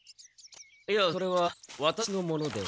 いやそれはワタシのものでは。